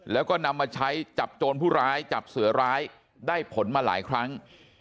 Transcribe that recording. แล้วก็นำมาใช้จับโจรผู้ร้ายจับเสือร้ายได้ผลมาหลายครั้ง